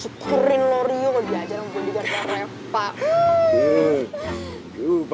syukurin lo rio kalo diajarin bodyguardnya repa